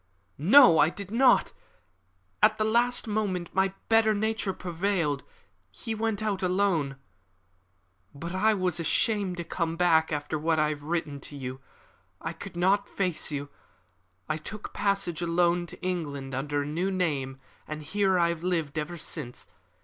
"No, I did not. At the last moment my better nature prevailed. He went alone. But I was ashamed to come back after what I had written to you. I could not face you. I took passage alone to England under a new name, and here I have lived ever since.